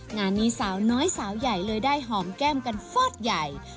งานนี้สาวน้อยสาวใหญ่เลยได้หอมแก้มกันฟอดใหญ่